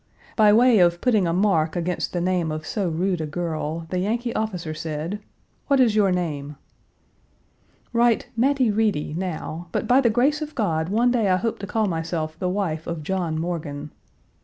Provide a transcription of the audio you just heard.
By way of putting a mark against the name of so rude a girl, the Yankee officer said, "What is your name?" "Write 'Mattie Reedy' now, but by the grace of God one day I hope to call myself the wife of John Morgan."